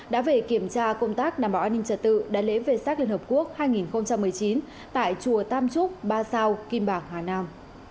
đã về kiểm tra công tác đảm bảo an ninh trật tự đại lễ về sát liên hợp quốc hai nghìn một mươi chín tại chùa tam trúc ba sao kim bảng hà nam